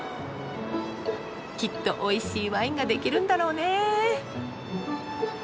きっとおいしいワインができるんだろうね。